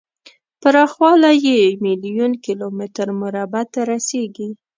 پراخوالی یې میلیون کیلو متر مربع ته رسیږي.